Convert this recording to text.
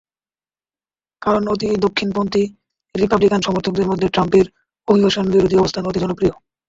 কারণ, অতি দক্ষিণপন্থী রিপাবলিকান সমর্থকদের মধ্যে ট্রাম্পের অভিবাসনবিরোধী অবস্থান অতি জনপ্রিয়।